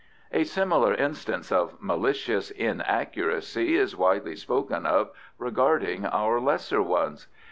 A similar instance of malicious inaccuracy is widely spoken of regarding our lesser ones.